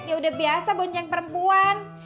ya udah biasa bonceng perempuan